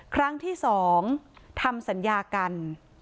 ครั้งที่๒ทำสัญญากัน